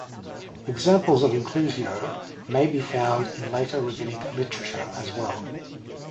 Examples of inclusio may be found in later rabbinic literature as well.